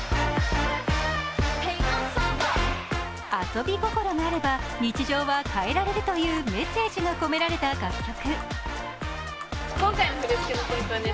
遊び心があれば日常は変えられるというメッセージが込められた楽曲。